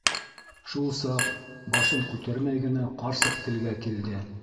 Шул саҡ башын күтәрмәй генә ҡарсыҡ телгә килде: